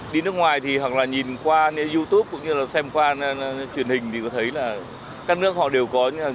đi nước ngoài thì hẳn là nhìn qua nhớ dù